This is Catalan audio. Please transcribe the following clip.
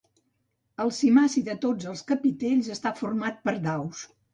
El cimaci de tots els capitells està format per daus.